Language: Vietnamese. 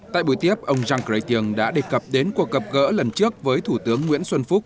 tại buổi tiếp ông jean chrétien đã đề cập đến cuộc gặp gỡ lần trước với thủ tướng nguyễn xuân phúc